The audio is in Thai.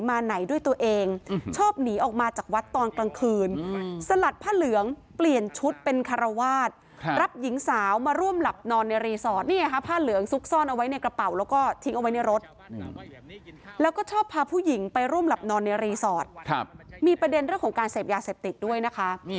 มีประเด็นเรื่องของการเสพยาเสพติดด้วยนะคะ